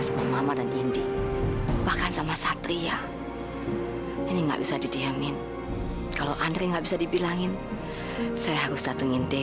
sampai jumpa di video selanjutnya